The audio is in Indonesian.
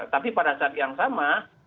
tapi pada saat yang sama